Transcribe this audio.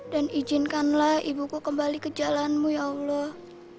izinkanlah ibuku kembali ke jalanmu ya allah